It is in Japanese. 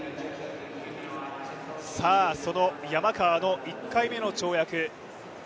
その山川の１回目の跳躍。